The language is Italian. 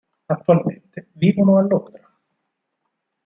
Attualmente vivono a Londra.